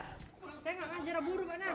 setelah membeli hewan kurban